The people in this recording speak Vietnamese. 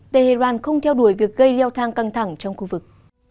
tehran không theo đuổi việc gây leo thang căng thẳng trong khu vực